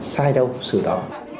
sai đâu sự đó